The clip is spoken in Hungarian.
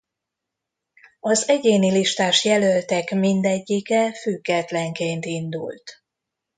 Az egyéni listás jelöltek mindegyike függetlenként indult.